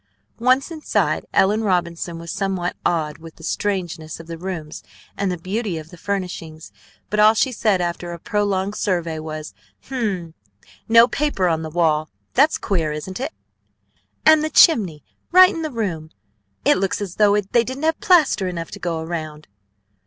Once inside, Ellen Robinson was somewhat awed with the strangeness of the rooms and the beauty of the furnishings, but all she said after a prolonged survey was: "Um! No paper on the wall! That's queer, isn't it? And the chimney right in the room! It looks as though they didn't have plaster enough to go around."